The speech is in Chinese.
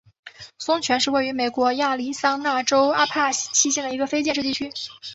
松泉是位于美国亚利桑那州阿帕契县的一个非建制地区。